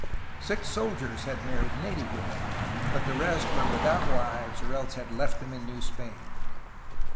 Six soldiers had married native women, but the rest were without wives or else had left them in New Spain.